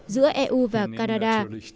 giữa eu và canada